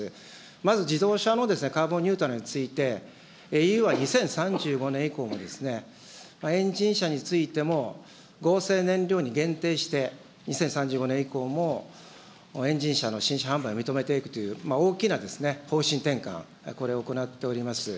まず、自動車のカーボンニュートラルについて、ＥＵは２０３５年以降もエンジン車についても合成燃料に限定して、２０３５年以降もエンジン車の新車販売を認めていくという、大きな方針転換、これを行っております。